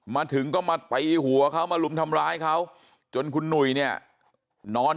มาถึงก็มาตีหัวเขามาลุมทำร้ายเขาจนคุณหนุ่ยเนี่ยนอน